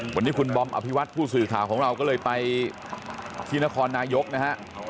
วันนี้คุณบอมอภิวัตผู้สื่อข่าวของเราก็เลยไปที่นครนายกนะฮะ